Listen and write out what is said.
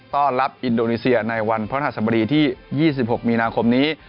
ต้อนรับอินโดนีเซียในวันพระหัสบดีที่๒๖มีนาคมนี้